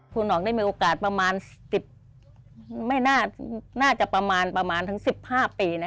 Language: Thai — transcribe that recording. คุณนองได้มีโอกาสประมาณสิบไม่น่าจะประมาณประมาณถึงสิบห้าปีนะ